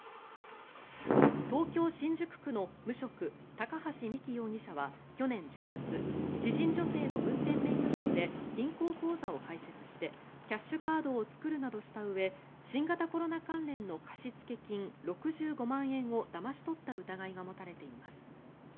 東京・新宿区の無職高橋実希容疑者は去年１０月知人女性の運転免許証で銀行口座を開設してキャッシュカードを作るなどしたうえ新型コロナ関連の貸付金６５万円をだまし取った疑いが持たれています。